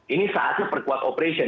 ini saatnya perkuat operation